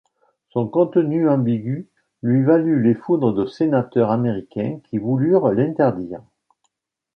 Son contenu ambigu lui valut les foudres de sénateurs américains qui voulurent l'interdire.